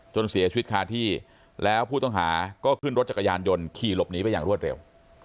เสียชีวิตคาที่แล้วผู้ต้องหาก็ขึ้นรถจักรยานยนต์ขี่หลบหนีไปอย่างรวดเร็ว